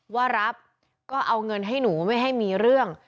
ว่ารับก็เอาเงินให้หนูไม่ให้มีเรื่อง